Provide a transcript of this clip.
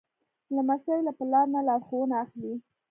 لمسی له پلار نه لارښوونه اخلي.